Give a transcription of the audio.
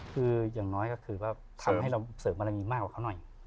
คืออย่างน้อยก็คือว่าทำให้เราเสริมบารมีมากกว่าเขาหน่อย